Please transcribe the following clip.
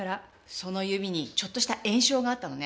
その指にちょっとした炎症があったのね。